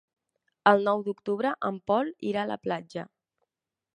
El nou d'octubre en Pol irà a la platja.